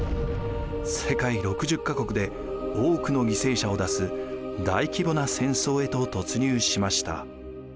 世界６０か国で多くの犠牲者を出す大規模な戦争へと突入しました。